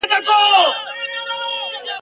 په لوګیو، سرو لمبو دوړو کي ورک دی ..